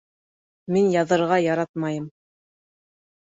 Мин яҙырға яратмайым.